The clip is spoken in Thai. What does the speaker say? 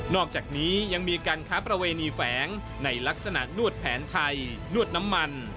อกจากนี้ยังมีการค้าประเวณีแฝงในลักษณะนวดแผนไทยนวดน้ำมัน